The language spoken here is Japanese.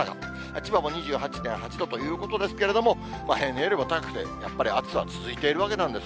千葉も２８．８度ということですけれども、平年よりも高くて、やっぱり暑さは続いているわけなんです。